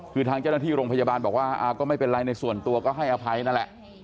คือทางเจ้าหน้าที่โรงพยาบาลบอกว่าก็ไม่เป็นไรในส่วนตัวก็ให้อภัยนั่นแหละ